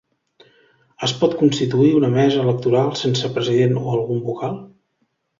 Es pot constituir una mesa electoral sense president o algun vocal?